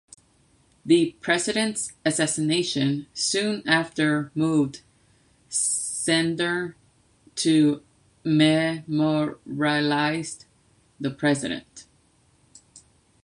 The president's assassination soon after moved Zehndner to memorialize the president.